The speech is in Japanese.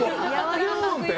ビューン！って？